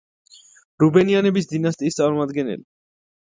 რუბენიანების დინასტიის წარმომადგენელი.